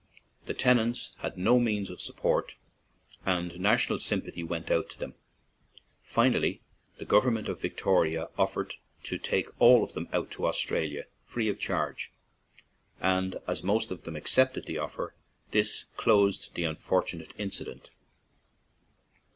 The tenants had no means of support, and national sympathy went out to them. Finally, the government of Victoria of fered to take all of them out to Australia, free of charge, and as most of them accepted the offer, this closed the unfortunate in cident.